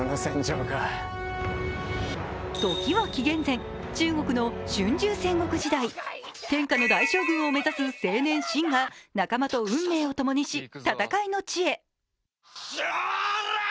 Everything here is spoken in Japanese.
時は紀元前、中国の春秋戦国時代天下の大将軍を目指す青年・信が仲間と運命をともにし、戦いの地へ。